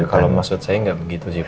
kalau maksud saya gak begitu sih